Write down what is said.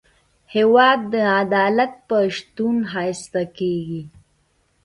هېواد د عدالت په شتون ښایسته کېږي.